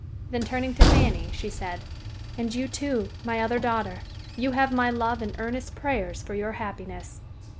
Then turning to Fanny, she said, "And you, too, my other daughter, you have my love and earnest prayers for your happiness."